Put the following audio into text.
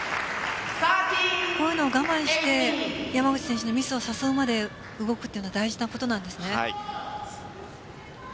こういうのを我慢して山口選手のミスを誘うまで動くというのは大事なことなんですね。